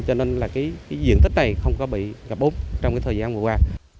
cho nên là cái diện tích này không có bị gặp úp trong cái thời gian vừa qua